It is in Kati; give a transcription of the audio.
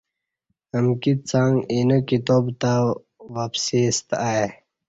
امکی څݣ اینه کتابه تں وپسی سته ای